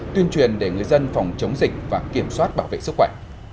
tuyên truyền để người dân phòng chống dịch và kiểm soát bảo vệ sức khỏe